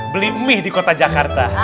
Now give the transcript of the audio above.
beli mie di kota jakarta